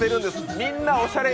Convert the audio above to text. みんなおしゃれに